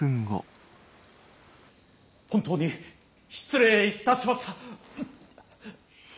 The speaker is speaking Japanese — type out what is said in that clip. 本当に失礼いたしましたッ！